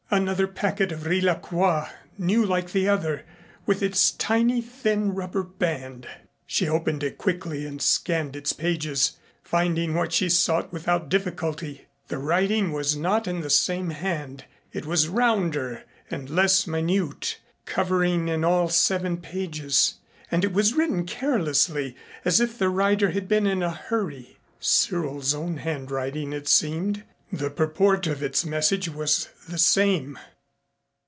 Another packet of Riz la Croix, new like the other, with its tiny thin rubber band. She opened it quickly and scanned its pages, finding what she sought without difficulty. The writing was not in the same hand. It was rounder and less minute, covering in all seven pages, and it was written carelessly as if the writer had been in a hurry. Cyril's own handwriting it seemed. The purport of its message was the same.